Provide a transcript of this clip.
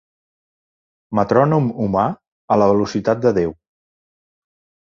Metrònom humà a la velocitat de Déu.